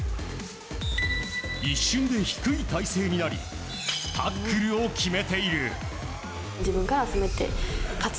一瞬で低い体勢になりタックルを決めている。